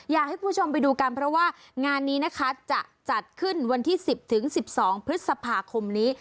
อยากให้คุณผู้ชมไปดูกันเพราะว่างานนี้นะคะจะจัดขึ้นวันที่๑๐๑๒พฤษภาคมนี้